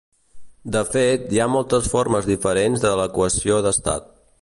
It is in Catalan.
De fet, hi ha moltes formes diferents de l'equació d'estat.